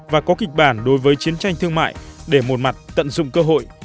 và có kịch bản đối với chiến tranh thương mại để một mặt tận dụng cơ hội